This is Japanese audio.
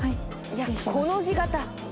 いやコの字形！